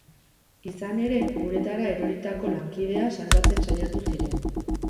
Izan ere, uretara eroritako lankidea salbatzen saiatu ziren.